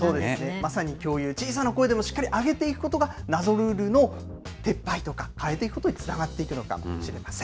まさに共有、小さな声でも、しっかり上げていくことが、謎ルールの撤廃とか、変えていくことにつながっていくのかもしれません。